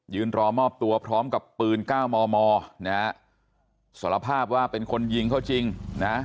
รอมอบตัวพร้อมกับปืนเก้ามอมอนะฮะสารภาพว่าเป็นคนยิงเขาจริงนะ